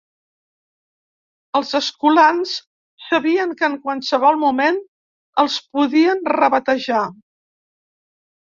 Els escolans sabien que en qualsevol moment els podien rebatejar.